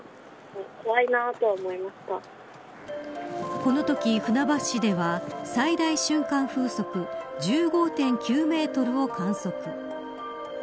このとき船橋市では最大瞬間風速１５．９メートルを観測。